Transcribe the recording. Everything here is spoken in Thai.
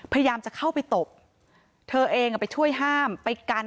พยายามจะเข้าไปตบเธอเองไปช่วยห้ามไปกัน